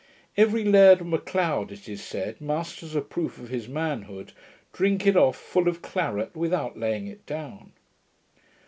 Every laird of M'Leod, it is said, must, as a proof of his manhood, drink it off full of claret, without laying it down.